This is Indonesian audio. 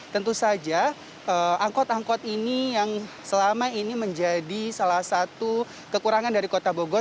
tentu saja angkot angkot ini yang selama ini menjadi salah satu kekurangan dari kota bogor